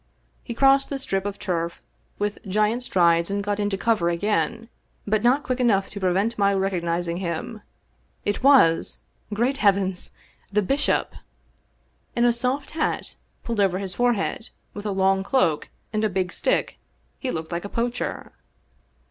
He crossed the strip of turf with giant strides and got into cover again, but not quick enough to prevent me recogniz ing him. It was — ^great heavens !— ^the bishop ! In a soft hat pulled over his forehead, with a long cloak and a big stick, he looked like a poacher.